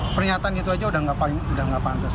pernyataan itu aja udah nggak pantas